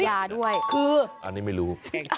หึ้ยอันนี้ไม่รู้